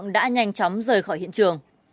đã nhanh chóng rời khỏi hiện trường